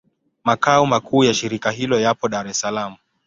Makao makuu ya shirika hilo yapo Dar es Salaam.